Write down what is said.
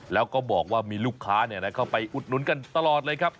แล้วก็บอกว่ามีลูกค้าเข้าไปอุดหนุนกันตลอดเลยครับ